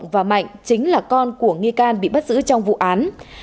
và mạnh chính là con của nghi can bị bắt giữ trong vụ án